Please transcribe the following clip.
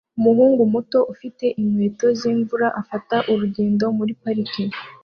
Umuhungu muto ufite inkweto zimvura afata urugendo muri parike